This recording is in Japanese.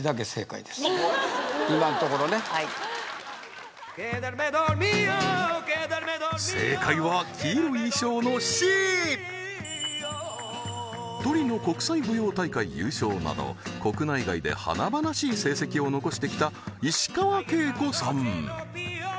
今んところねはい正解は黄色い衣装のＣトリノ国際舞踊大会優勝など国内外で華々しい成績を残してきた石川慶子さん